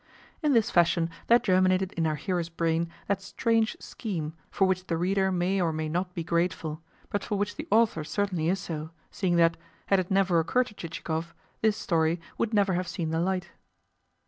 In this fashion there germinated in our hero's brain that strange scheme for which the reader may or may not be grateful, but for which the author certainly is so, seeing that, had it never occurred to Chichikov, this story would never have seen the light.